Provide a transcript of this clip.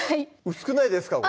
薄くないですか？